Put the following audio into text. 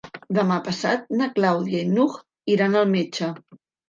Demà passat na Clàudia i n'Hug iran al metge.